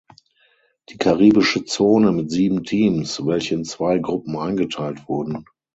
Die Karibische Zone mit sieben Teams, welche in zwei Gruppen eingeteilt wurden.